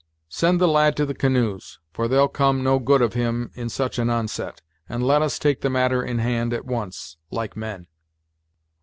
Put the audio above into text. Send the lad to the canoes, for there'll come no good of him in such an onset, and let us take the matter in hand at once, like men."